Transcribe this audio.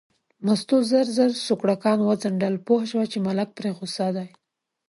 مستو ژر ژر سوکړکان وڅنډل، پوه شوه چې ملک پرې غوسه دی.